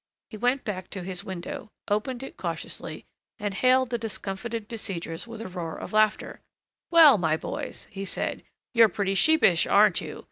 He went back to his window, opened it cautiously, and hailed the discomfited besiegers with a roar of laughter: "Well, my boys," he said, "you're pretty sheepish, aren't you?